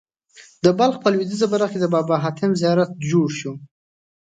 د بلخ په لوېدیځه برخه کې د بابا حاتم زیارت جوړ شو.